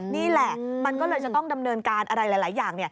นี่แหละมันก็เลยจะต้องดำเนินการอะไรหลายอย่าง